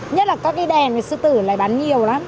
nhất là các cái đèn sư tử lại bán nhiều lắm